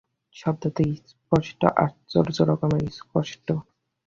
শব্দটা স্পষ্ট, আশ্চর্য রকমে স্পষ্ট।